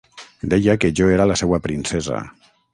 Deia que jo era la seua princesa.